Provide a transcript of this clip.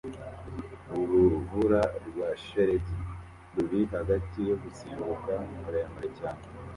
Urubura rwa shelegi ruri hagati yo gusimbuka muremure cyane